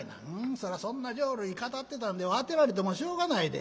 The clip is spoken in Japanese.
そらそんな浄瑠璃語ってたんでは当てられてもしょうがないで。